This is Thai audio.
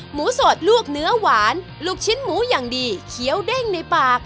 หมูสดลวกเนื้อหวานลูกชิ้นหมูอย่างดีเคี้ยวเด้งในปาก